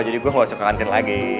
jadi gue gak suka ke kantin lagi